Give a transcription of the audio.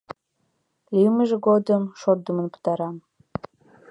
Лиймыж годым шотдымын пытара.